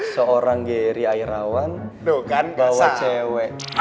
seorang geri airawan bawa cewek